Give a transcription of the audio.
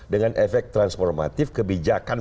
dengan efek transformatif kebijakan